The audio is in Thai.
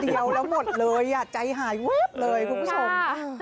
วันเดียวแล้วหมดเลยใจหายเว๊บเลยคุณผู้ชม